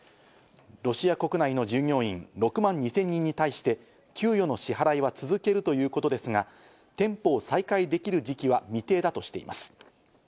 ロシア国内の従業員６万２０００人に対して、給与の支払いは続けるということですが、店舗を再開できる時期は未定だとしています。